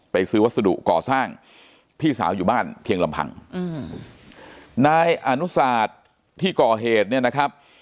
ซื้อวัสดุก่อสร้างพี่สาวอยู่บ้านเพียงลำพังอืมนายอนุศาสตร์ที่ก่อเหตุเนี่ยนะครับ